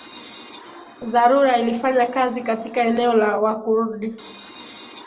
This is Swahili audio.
dharura ilifanya kazi katika eneo la Wakurdi